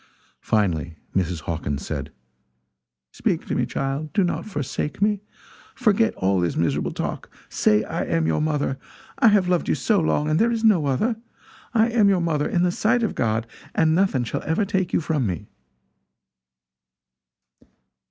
Finally Mrs. Hawkins said: "Speak to me, child do not forsake me. Forget all this miserable talk. Say I am your mother! I have loved you so long, and there is no other. I am your mother, in the sight of God, and nothing shall ever take you from me!"